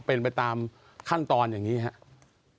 เป็นไปตามขั้นตอนอย่างนี้ครับ